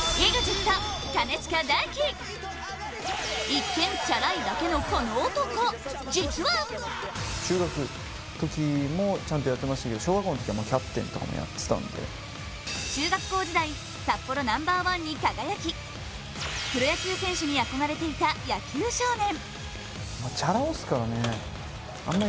一見チャラいだけのこの男、実は中学校時代、札幌ナンバーワンに輝き、プロ野球選手に憧れていた野球少年。